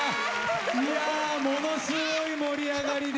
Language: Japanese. いやものすごい盛り上がりで。